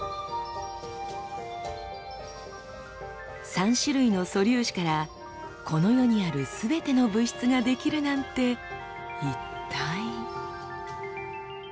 ３種類の素粒子からこの世にあるすべての物質が出来るなんて一体。